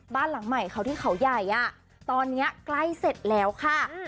บ้านหลังใหม่เขาที่เขาใหญ่ตอนนี้ใกล้เสร็จแล้วค่ะ